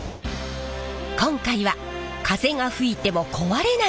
今回は風が吹いても壊れない！